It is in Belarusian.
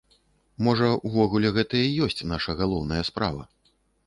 Можа, увогуле, гэта і ёсць нашая галоўная справа.